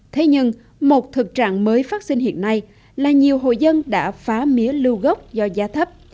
thế nhưng một thực trạng mới phát sinh hiện nay là nhiều hội dân đã phá mía lưu gốc do giá thấp